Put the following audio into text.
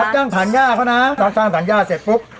รับจ้างผันยากแล้วนะสร้างสัญญาเสร็จปุ๊บ